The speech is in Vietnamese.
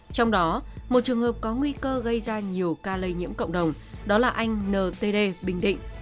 trong đó một trường hợp có nguy cơ gây ra nhiều ca lây nhiễm cộng đồng đó là anh ntd bình định